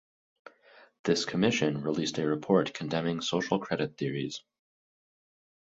This commission released a report condemning Social Credit theories.